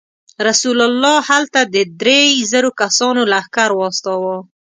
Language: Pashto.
رسول الله هلته د درې زرو کسانو لښکر واستاوه.